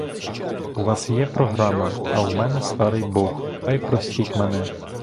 У вас є програма, а у мене старий бог, та й простіть мене!